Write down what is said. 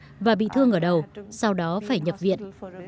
tôi đã bị thương ở đầu sau đó phải nhập viện